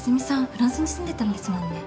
フランスに住んでたんですもんね。